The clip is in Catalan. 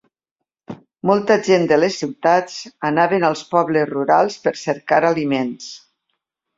Molta gent de les ciutats anaven als pobles rurals per cercar aliments.